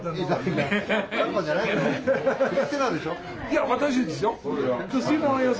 いや私ですよ。